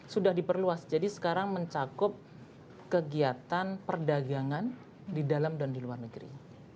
sudah diperluas jadi sekarang mencakup kegiatan perdagangan di dalam dan di luar negeri